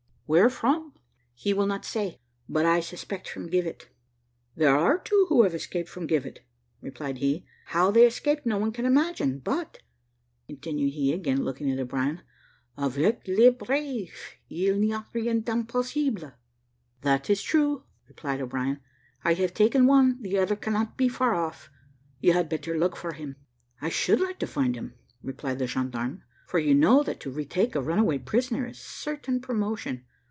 "Where from?" "He will not say; but I suspect from Givet." "There are two who have escaped from Givet," replied he: "how they escaped no one can imagine; but," continued he, again looking at O'Brien, "Avec les braves, il n'y a rien d'impossible." "That is true," replied O'Brien; "I have taken one, the other cannot be far off. You had better look for him." "I should like to find him," replied the gendarme, "for you know that to retake a runaway prisoner is certain promotion.